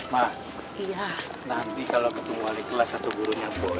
ma nanti kalau gue ketemu wali kelas atau gurunya boy